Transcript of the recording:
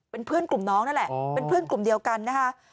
เป็นเพื่อนกลุ่มน้องนั่นแหละเป็นเพื่อนกลุ่มเดียวกันนะคะ